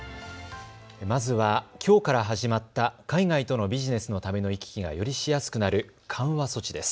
まずは、きょうから始まった海外とのビジネスのための行き来がよりしやすくなる緩和措置です。